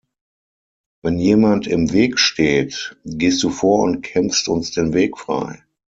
Wenn jemand im Weg steht, gehst du vor und kämpfst uns den Weg frei.